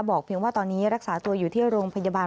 เพียงว่าตอนนี้รักษาตัวอยู่ที่โรงพยาบาล